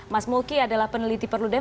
mas mulki adalah peneliti perludem